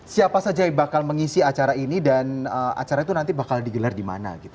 siapa saja yang bakal mengisi acara ini dan acara itu nanti bakal digelar di mana gitu